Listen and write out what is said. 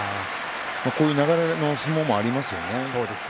こういう流れの相撲もありますよね。